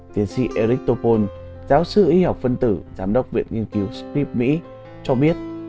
tiến sĩ eric topol giáo sư y học phân tử giám đốc viện nghiên cứu spe mỹ cho biết